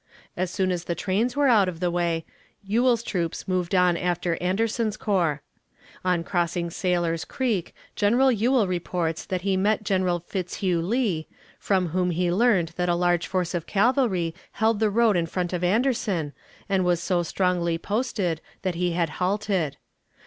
As soon as the trains were out of the way, Ewell's troops moved on after Anderson's corps. On crossing Sailor's Creek, General Ewell reports that he met General Fitzhugh Lee, from whom he learned that a large force of cavalry held the road in front of Anderson, and was so strongly posted that he had halted.